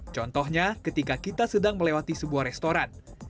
contohnya ketika kita sedang melewati sebuah restoran